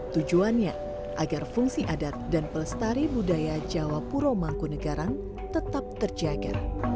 tujuannya agar fungsi adat dan pelestari budaya jawa puro mangkunegara tetap terjaga